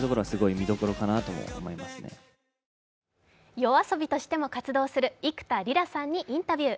ＹＯＡＳＯＢＩとしても活動する幾田りらさんにインタビュー。